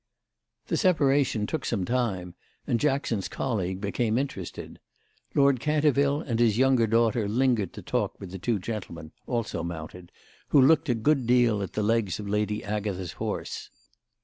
The separation took some time and Jackson's colleague became interested. Lord Canterville and his younger daughter lingered to talk with two gentlemen, also mounted, who looked a good deal at the legs of Lady Agatha's horse.